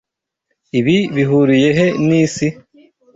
Ibi bihuriye he nisi?